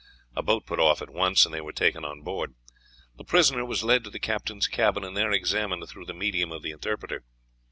A boat put off at once, and they were taken on board. The prisoner was led to the captain's cabin, and there examined through the medium of the interpreter.